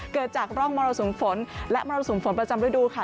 เกิดจากร่องมรสุมฝนและมรสุมฝนประจำฤดูค่ะ